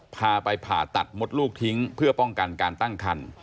พาไปผ่าตัดมดลูกทิ้งเพื่อป้องกันการตั้งคัน